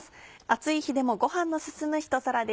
暑い日でもご飯の進むひと皿です。